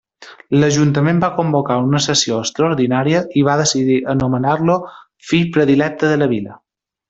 L'Ajuntament va convocar una sessió extraordinària i va decidir anomenar-lo fill predilecte de la vila.